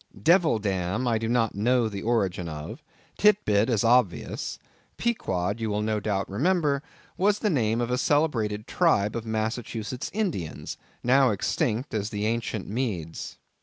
Devil Dam, I do not know the origin of; Tit bit is obvious; Pequod, you will no doubt remember, was the name of a celebrated tribe of Massachusetts Indians; now extinct as the ancient Medes.